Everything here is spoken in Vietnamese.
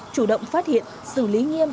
chủ động phát hiện xử lý nghiêm